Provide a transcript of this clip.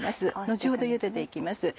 後ほどゆでて行きます。